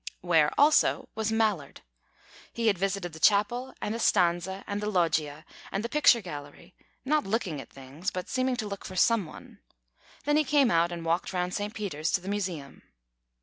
Where also was Mallard. He had visited the chapel, and the Stanze, and the Loggia, and the picture gallery, not looking at things, but seeming to look for some one; then he came out, and walked round St. Peter's to the Museum.